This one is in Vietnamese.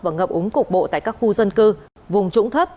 và ngập úng cục bộ tại các khu dân cư vùng trũng thấp